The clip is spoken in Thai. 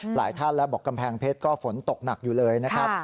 หลายท่านแล้วบอกกำแพงเพชรก็ฝนตกหนักอยู่เลยนะครับ